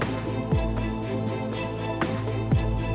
ให้ฝันทิศทดูความสะบายของคุณ